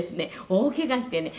大けがしてね」